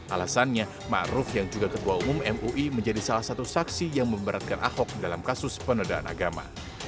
alasannya ⁇ maruf ⁇ yang juga ketua umum mui menjadi salah satu saksi yang memberatkan ahok dalam kasus penodaan agama